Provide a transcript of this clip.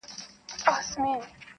زۀ خپله خان یمه خان څۀ ته وایي ,